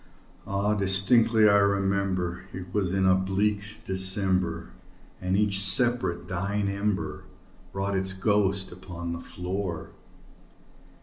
Ah, distinctly I remember, it was in the bleak December, And each separate dying ember wrought its ghost upon the floor.